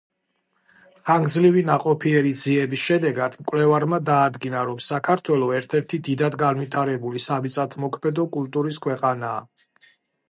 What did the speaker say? ხანგრძლივი ნაყოფიერი ძიების შედეგად მკვლევარმა დაადგინა, რომ საქართველო ერთ-ერთი დიდად განვითარებული სამიწათმოქმედო კულტურის ქვეყანაა.